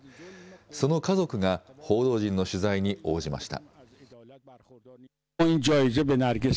その家族が報道陣の取材に応じました。